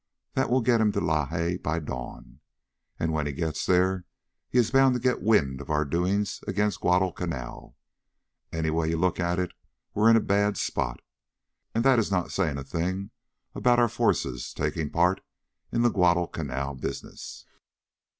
That will get him to Lae by dawn. And when he gets there he is bound to get wind of our doings against Guadalcanal. Any way you look at it, we're in a bad spot. And that is not saying a thing about our forces taking part in the Guadalcanal business."